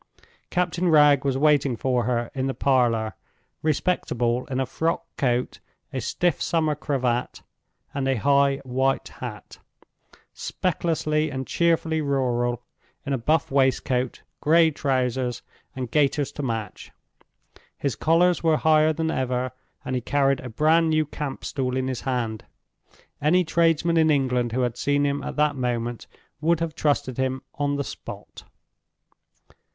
Captain Wragge was waiting for her in the parlor—respectable, in a frock coat, a stiff summer cravat, and a high white hat; specklessly and cheerfully rural, in a buff waistcoat, gray trousers, and gaiters to match. His collars were higher than ever, and he carried a brand new camp stool in his hand. Any tradesman in England who had seen him at that moment would have trusted him on the spot.